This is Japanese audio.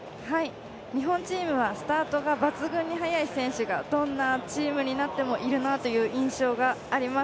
日本チームはスタートが抜群に速い選手がどんなチームになってもいるなという印象があります。